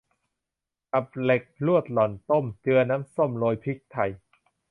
ตับเหล็กลวกหล่อนต้ม เจือน้ำส้มโรยพริกไทย